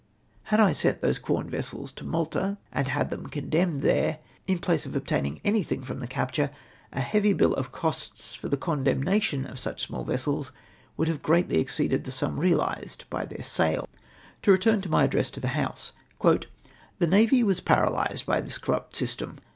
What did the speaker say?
Had I sent those corn vessels to Malta, tuid haxl tlieni condemned there — in place of obtaining anything for the caj^ture, a lieavy biU of costs for tlie condemnation of such sniaU vessels woidd liave greatly exceeded the sum realised by their sale. To return to my address to the House :— "The Navy was paralysed hy this corrupt system.